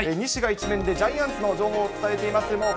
２紙が１面でジャイアンツの情報を伝えています。